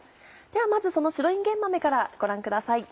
ではまずその白いんげん豆からご覧ください。